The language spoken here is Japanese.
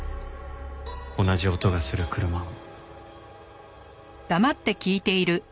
同じ音がする車を。